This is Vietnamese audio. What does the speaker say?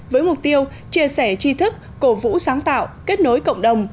với mục tiêu chia sẻ chi thức cổ vũ sáng tạo kết nối cộng đồng